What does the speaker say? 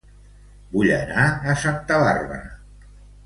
Vull anar a Santa Bàrbara